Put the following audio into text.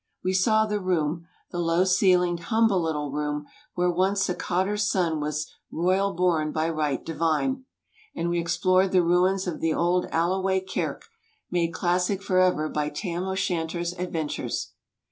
We saw the room the low ceilinged, humble litde room where once a cotter's son was 'royal bom by right divine,' and we explored the ruins of the old Alloway Kirk made classic forever by Tam O'Shan ter's adventures.